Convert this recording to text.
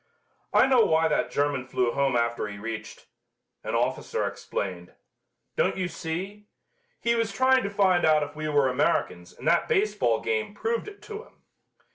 "I know why that German flew home after he reached ," an officer explained. "Don't you see? He was trying to find out if we were Americans and that baseball game proved it to him."